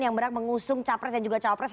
yang berat mengusung capres dan juga caopres